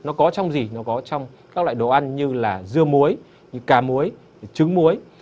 nó có trong gì nó có trong các loại đồ ăn như là dưa muối như cà muối trứng muối